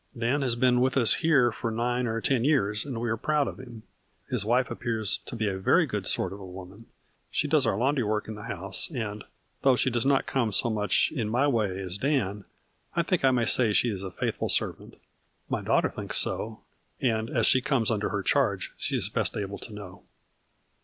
Dan has been with us here for nine or ten years and we are proud of him. His wife appears to be a very good sort of a woman. She does our laundry work in the house, and, though she does not come so much in my way as Dan, I think I may say she is a faithful servant. My daughter thinks so, and, as she comes under her charge, she is best able to know."